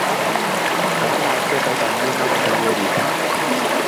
Kalach swetait amu akase koristo